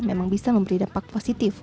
memang bisa memberi dampak positif